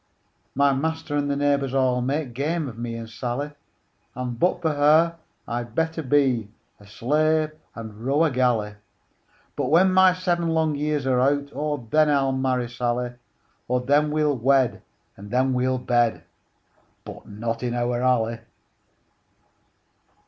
My master and the neighbours all Make game of me and Sally, And, but for her, I'd better be A slave and row a galley; But when my seven long years are out, O, then I'll marry Sally; O, then we'll wed, and then we'll bed But not in our alley!